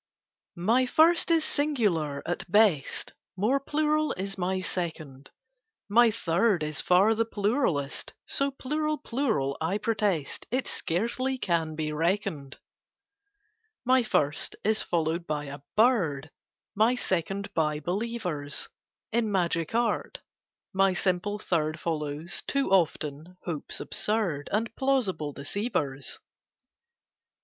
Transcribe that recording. MY First is singular at best: More plural is my Second: My Third is far the pluralest— So plural plural, I protest It scarcely can be reckoned! My First is followed by a bird: My Second by believers In magic art: my simple Third Follows, too often, hopes absurd And plausible deceivers.